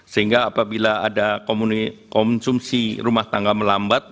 sehingga apabila ada konsumsi rumah tangga melambat